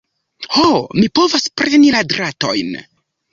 Ho, mi povas preni la dratojn!